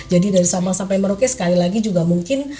jadi dari sabang sampai merauke sekali lagi juga mungkin